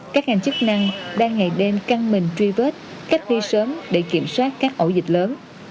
các ngành chức năng đang ngày đêm căng mình truy vết cách ly sớm để kiểm soát các ổ dịch lớn